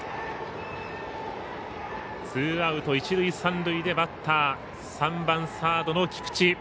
ツーアウト、一塁三塁でバッター、３番サードの菊地。